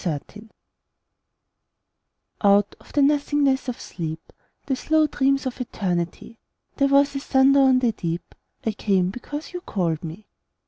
The Call Out of the nothingness of sleep, The slow dreams of Eternity, There was a thunder on the deep: I came, because you called to me.